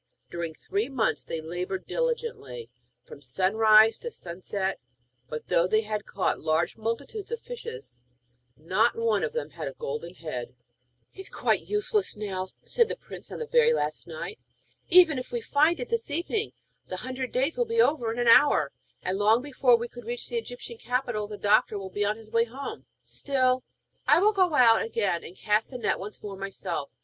During three months they laboured diligently from sunrise to sunset, but though they caught large multitudes of fishes, not one of them had a golden head. 'It is quite useless now,' said the prince on the very last night. 'Even if we find it this evening, the hundred days will be over in an hour, and long before we could reach the Egyptian capital the doctor will be on his way home. Still, I will go out again, and cast the net once more myself.'